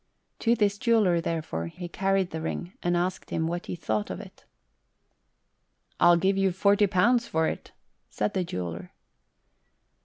To this jeweller, therefore, he carried the ring, and asked him what he thought of it. " I'll give you forty pounds for it," said the jeweller.